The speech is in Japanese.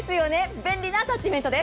便利なアタッチメントです。